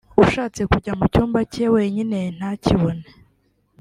ushatse kujya mu cyumba cye wenyine ntakibone